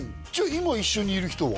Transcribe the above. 今一緒にいる人は？